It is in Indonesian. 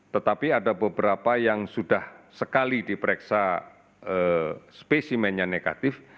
tetapi ada beberapa yang sudah sekali diperiksa spesimennya negatif